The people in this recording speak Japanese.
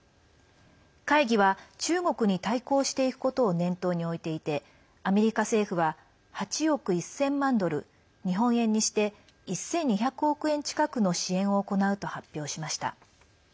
会議は中国に対抗していくことを念頭に置いていてアメリカ政府は８億１０００万ドル日本円にして１２００億円近くの支援を行うと発表しました。